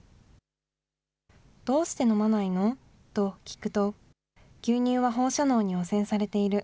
どうして飲まないの？と聞くと、牛乳は放射能に汚染されている。